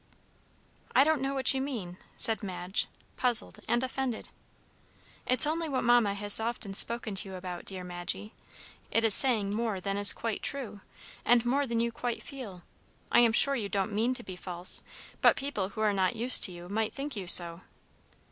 "I don't know what you mean," said Madge, puzzled and offended. "It's only what Mamma has often spoken to you about, dear Madgie. It is saying more than is quite true, and more than you quite feel. I am sure you don't mean to be false, but people who are not used to you might think you so."